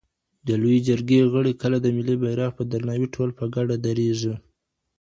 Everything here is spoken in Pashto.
د لویې جرګي غړي کله د ملي بیرغ په درناوي ټول په ګډه دریږي؟